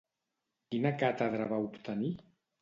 Quina càtedra va obtenir?